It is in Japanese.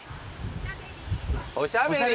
おしゃべり。